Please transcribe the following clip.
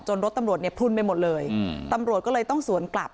จนรถตำลดเนี่ยพุ่นไปหมดเลยตำลดก็เลยต้องสวนกลับ